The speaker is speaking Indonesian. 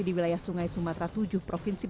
di wilayah sungai sumatera tujuh provinsi